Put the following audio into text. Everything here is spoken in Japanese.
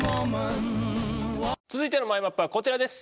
続いてのマイマップはこちらです。